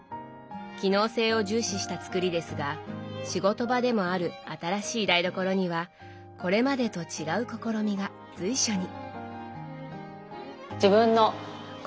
機能性を重視した作りですが仕事場でもある新しい台所にはこれまでと違う試みが随所に。